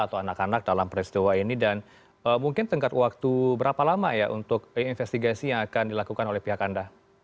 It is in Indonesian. atau anak anak dalam peristiwa ini dan mungkin tengkat waktu berapa lama ya untuk investigasi yang akan dilakukan oleh pihak anda